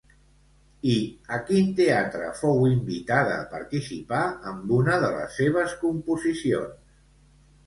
I a quin teatre fou invitada a participar amb una de les seves composicions?